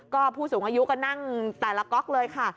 ก็ผู้สูงอายุก็นั่งแต่ละก๊อกเลยค่ะ